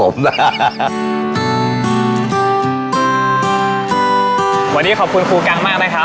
วันนี้ขอบคุณครูกังมากนะครับ